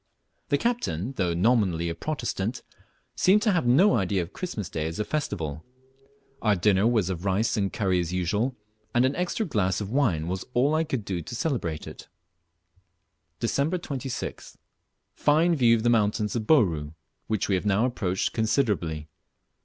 The captain, though nominally a Protestant, seemed to have no idea of Christmas day as a festival. Our dinner was of rice and curry as usual, and an extra glass of wine was all I could do to celebrate it. Dec. 26th. Fine view of the mountains of Bouru, which we have now approached considerably.